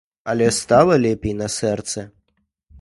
Але стала лепей на сэрцы.